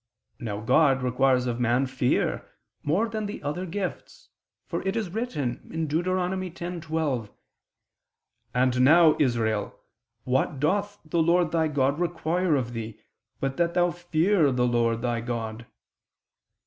Now God requires of man fear, more than the other gifts: for it is written (Deut. 10:12): "And now, Israel, what doth the Lord thy God require of thee, but that thou fear the Lord thy God?"